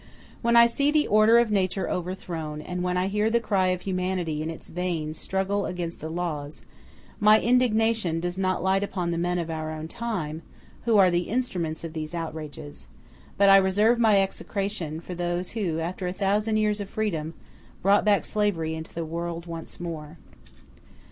When I see the order of nature overthrown, and when I hear the cry of humanity in its vain struggle against the laws, my indignation does not light upon the men of our own time who are the instruments of these outrages; but I reserve my execration for those who, after a thousand years of freedom, brought back slavery into the world once more.